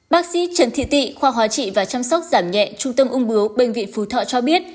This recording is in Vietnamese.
bác sĩ trần thị tị khoa hóa trị và chăm sóc giảm nhẹ trung tâm ung bưu bệnh viện phú thọ cho biết